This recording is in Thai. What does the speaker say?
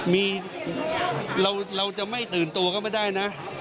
มีเราจะไม่ตื่นตัวก็ไม่ได้นะ